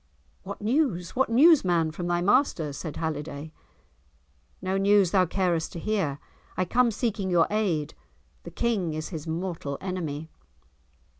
"What news? What news, man, from thy master?" said Halliday. "No news thou carest to hear; I come seeking your aid; the King is his mortal enemy."